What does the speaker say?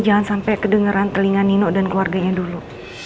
jangan sampai kedengeran telinga nino dan keluarganya dulu